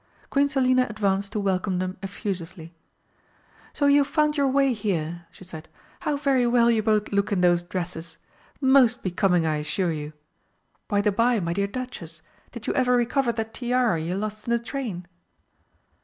Queen Selina advanced to welcome them effusively. "So you've found your way here!" she said. "How very well you both look in those dresses! Most becoming, I assure you. By the bye, my dear Duchess, did you ever recover that tiara you lost in the train?"